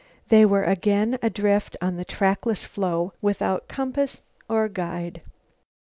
They were again adrift on the trackless floe without compass or guide.